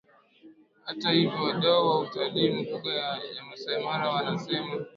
Hata hivyo wadau wa utalii mbuga ya Maasai Mara wanasema